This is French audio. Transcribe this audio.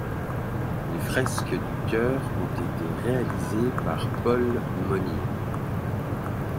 Les fresques du chœur ont été réalisées par Paul Monnier.